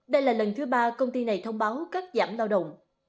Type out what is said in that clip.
đây là lần thứ ba công ty này thông báo cắt giảm lao động